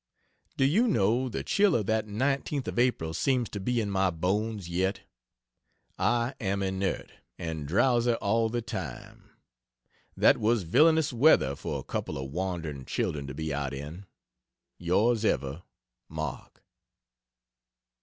Do you know, the chill of that 19th of April seems to be in my bones yet? I am inert and drowsy all the time. That was villainous weather for a couple of wandering children to be out in. Ys ever MARK.